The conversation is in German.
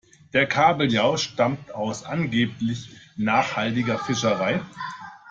Der Kabeljau stammt aus angeblich nachhaltiger Fischerei.